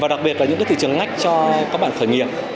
và đặc biệt là những thị trường ngách cho các bạn khởi nghiệp